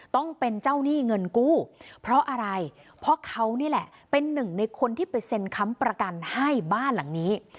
ต้องเป็นเจ้าหนี้เงินกู้เพราะอะไรเพราะเขานี่แหละเป็นหนึ่งในคนที่ไปเซ็นค้ำประกันให้บ้านหลังนี้